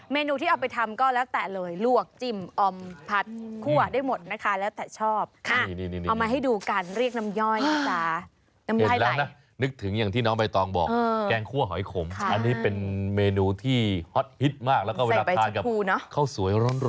เมนูที่เอาไปทำก็แล้วแต่เหลือกจิมออมผัดคั่ว